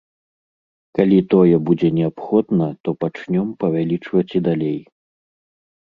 Калі тое будзе неабходна, то пачнём павялічваць і далей.